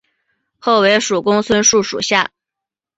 后为蜀公孙述属下。